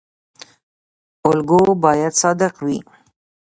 الګو باید صادق وي